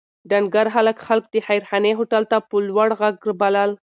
ډنکر هلک خلک د خیرخانې هوټل ته په لوړ غږ بلل.